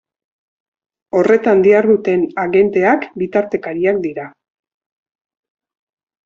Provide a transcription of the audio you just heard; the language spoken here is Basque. Horretan diharduten agenteak bitartekariak dira.